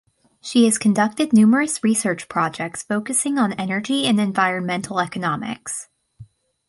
She has conducted numerous research projects focusing on energy and environmental economics.